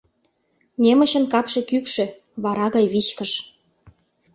Немычын капше кӱкшӧ, вара гай вичкыж.